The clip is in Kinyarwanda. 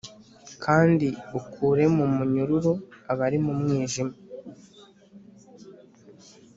kandi ukure mu munyururu abari mu mwijima.